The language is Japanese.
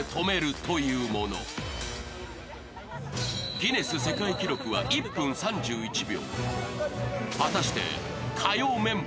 ギネス世界記録は１分３１秒。